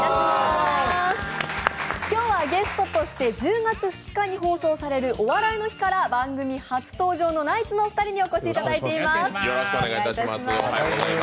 今日はゲストとして１０月２日に放送される「お笑いの日」から番組初登場のナイツのお二人にお越しいただいております。